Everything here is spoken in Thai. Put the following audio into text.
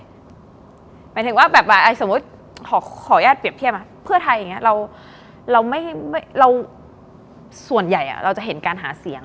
หมายถึงว่าแบบว่าสมมุติขออนุญาตเปรียบเทียบเพื่อไทยอย่างนี้เราส่วนใหญ่เราจะเห็นการหาเสียง